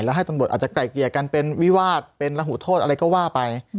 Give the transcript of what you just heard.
แล้วให้ตำรวจอาจจะไกลเกลี่ยกันเป็นวิวาสเป็นระหูโทษอะไรก็ว่าไป